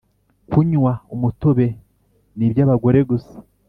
Kunywa umutobe ni bya bagore gusa